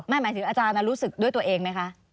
หมายถึงอาจารย์รู้สึกด้วยตัวเองไหมคะ